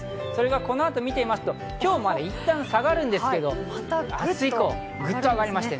この後を見てみると、今日はいったん下がりますけど、明日以降ぐっと上がります。